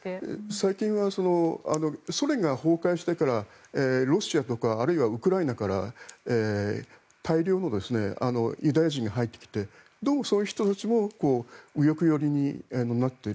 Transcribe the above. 最近はソ連が崩壊してからロシアとかあるいはウクライナから大量のユダヤ人が入ってきてどうも、そういう人たちも右翼寄りになっている。